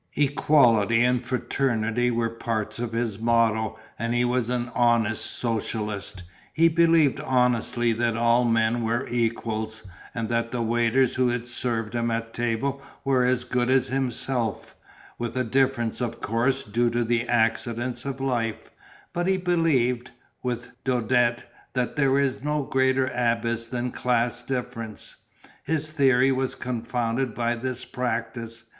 Equality and Fraternity were parts of his motto and he was an honest socialist; he believed honestly that all men were equals and that the waiters who served him at table were as good as himself, with a difference of course due to the accidents of life, but he believed, with Daudet, that there is no greater abyss than class difference. His theory was confounded by this practice.